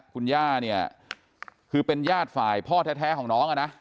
คุณย่าเนี่ยคือเป็นญาติฝ่ายพ่อแท้ของน้องอ่ะนะ